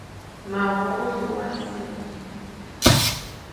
Ma wok nlô minsim.